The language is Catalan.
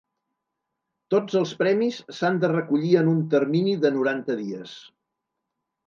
Tots els premis s’han de recollir en un termini de noranta dies.